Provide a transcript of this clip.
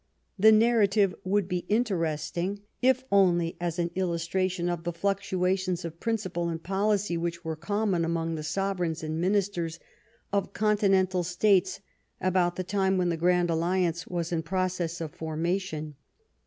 The narrative would be interesting if 86 ON THE ROUOH EDGE OF BATTLE only as an illustration of the fluctuations of principle and policy which were common among the sovereigns and ministers of continental states about the time when the Grand Alliance was in process of formation.